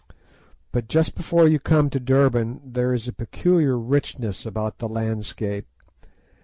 But just before you come to Durban there is a peculiar richness about the landscape.